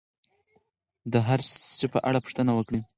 د هر سي په اړه پوښتنه وکړئ.